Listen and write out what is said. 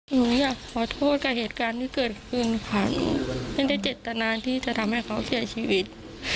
หนูอยากขอโทษกับเหตุการณ์ที่เกิดขึ้นค่ะหนูไม่ได้เจตนาที่จะทำให้เขาเสียชีวิต